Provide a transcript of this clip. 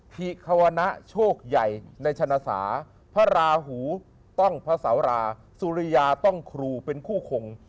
ภิควณะโชคใหญ่ในชนะสาพระราหูต้องพระสาราสุริยาต้องครูเป็นคู่คง